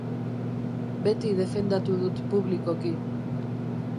Beti defendatu dut publikoki.